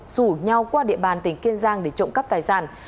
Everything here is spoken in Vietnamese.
rủ nhau qua địa bàn tỉnh kiên giang để trộm cắp tài sản